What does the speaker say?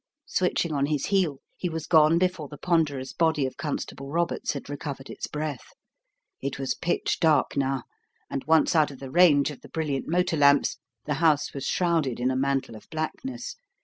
Switching on his heel, he was gone before the pon derous body of Constable Roberts had recovered its breath. It was pitch dark now, and once out of range of the brilliant motor lamps, the house was shrouded in a mantle of blackness.